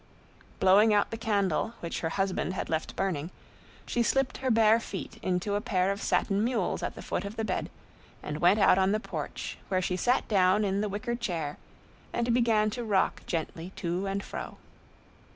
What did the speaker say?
Blowing out the candle, which her husband had left burning, she slipped her bare feet into a pair of satin mules at the foot of the bed and went out on the porch, where she sat down in the wicker chair and began to rock gently to and fro.